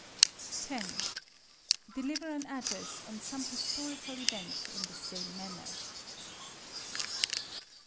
10. Deliver an address on some historical event in the same manner.